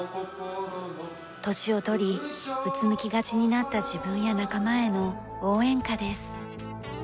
年を取りうつむきがちになった自分や仲間への応援歌です。